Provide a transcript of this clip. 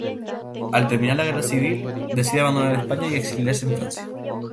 Al terminar la Guerra Civil, decide abandonar España y exiliarse en Francia.